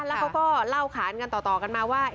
แล้วเขาก็เล่าขานกันต่อกันมาว่า